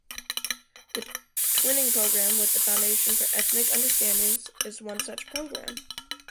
The "Twinning Program" with the Foundation for Ethnic Understanding is one such program.